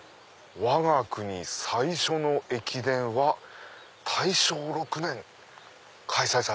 わが国最初の駅伝は大正６年開催された。